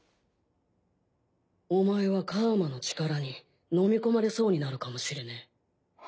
お前は楔の力に飲み込まれそうになるかもしれねえ。